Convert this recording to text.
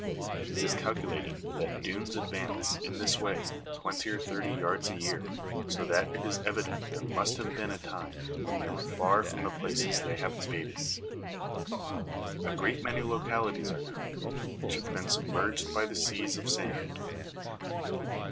It is calculated that dunes advance, in this way, twenty or thirty yards a year; so that it is evident there must have been a time when they were far from the places they have invaded. A great many localities are known, which have been submerged by these seas of sand.